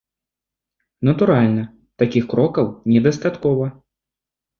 Натуральна, такіх крокаў недастаткова.